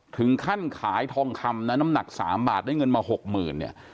ถึงขั้นขายทองคำนะน้ำหนัก๓บาทได้เงินมา๖๐๐๐เนี่ย